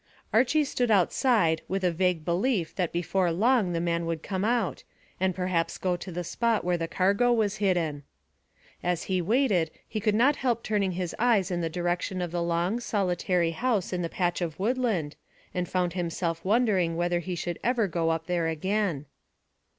Archy stood outside with a vague belief that before long the man would come out, and perhaps go to the spot where the cargo was hidden. As he waited he could not help turning his eyes in the direction of the long, solitary house in the patch of woodland, and found himself wondering whether he should ever go up there again.